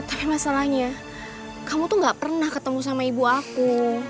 tapi masalahnya kamu tuh gak pernah ketemu sama ibu aku